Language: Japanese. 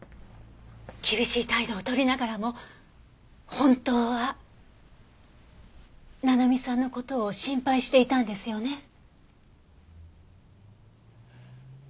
厳しい態度を取りながらも本当は七海さんの事を心配していたんですよね？